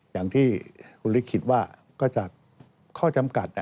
อย่างที่คุณฤทธิคิดว่าก็จากข้อจำกัด